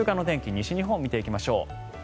西日本を見ていきましょう。